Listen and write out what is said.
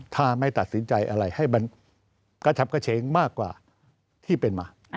ถ้าไม่ตัดสินใจอะไรให้มันกระชับกระเช้งมากกว่าที่เป็นมา